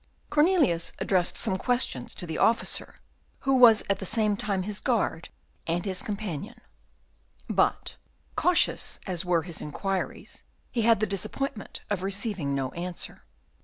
Cornelius addressed some questions to the officer, who was at the same time his guard and his companion; but, cautious as were his inquiries, he had the disappointment of receiving no answer.